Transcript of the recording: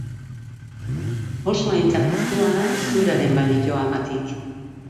Oso aintzat hartua da zuraren balioagatik.